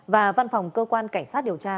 và văn phòng cơ quan cảnh sát điều tra